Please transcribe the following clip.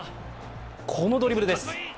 このドリブルです。